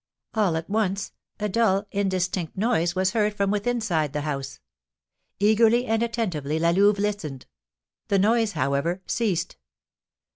All at once a dull, indistinct noise was heard from withinside the house. Eagerly and attentively La Louve listened; the noise, however, ceased.